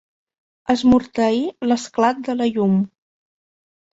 Esmorteir l'esclat de la llum.